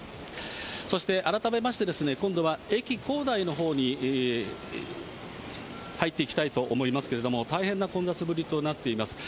そして、改めまして、今度は駅構内のほうに入っていきたいと思いますけれども、大変な混雑ぶりとなっています。